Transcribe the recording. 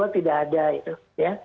tidak ada itu